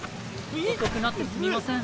遅くなってすみません。